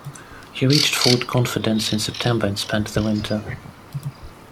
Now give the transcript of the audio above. He reached Fort Confidence in September and spent the winter.